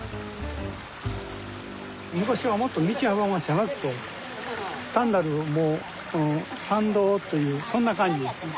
昔はもっと道幅が狭くて単なる参道というそんな感じですね。